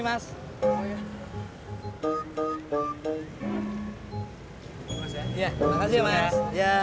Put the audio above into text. makasih ya mas